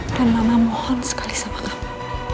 dan mama mohon sekali sama kamu